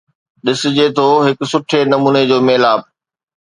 ڏسجي ٿو هڪ سٺي نموني جو ميلاپ